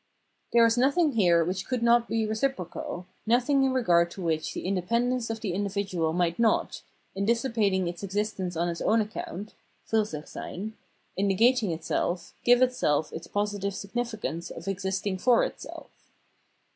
There is nothing here which could not be reciprocal, nothing in regard to which the independence of the individual might not, in dissipating its existence on its own account {Fursicliseyn), in negating itself, give itself its positive significance of existing for itself.